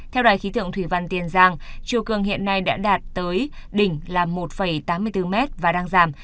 theo đài khí tượng thủy văn tiền giang chiều cường hiện nay đã đạt tới đỉnh là một tám mươi bốn m và đang giảm